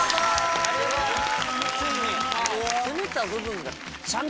ありがとうございます！